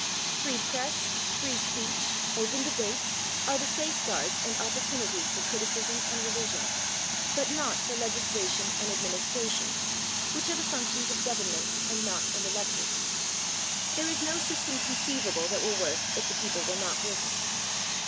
Free press, free speech, open debates are the safeguards and opportunities for criticism and revision, but not for legislation and administration, which are the functions of governments and not of electors. There is no system conceivable that will work if the people will not work it.